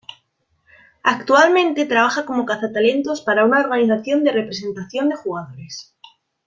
Actualmente trabaja como cazatalentos para una organización de representación de jugadores.